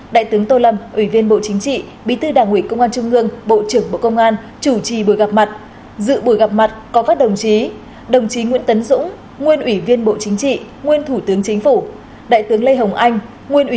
đại tướng tô lâm ủy viên bộ chính trị bí tư đảng ủy công an trung ương